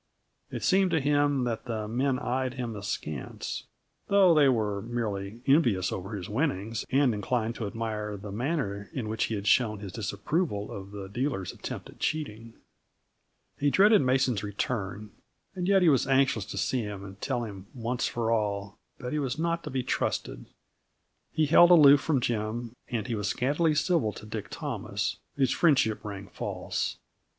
It seemed to him that the men eyed him askance; though they were merely envious over his winnings and inclined to admire the manner in which he had shown his disapproval of the dealer's attempt at cheating. He dreaded Mason's return, and yet he was anxious to see him and tell him, once for all, that he was not to be trusted. He held aloof from Jim and he was scantily civil to Dick Thomas, whose friendship rang false.